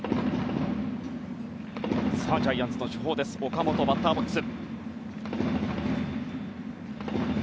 ジャイアンツの主砲岡本がバッターボックス。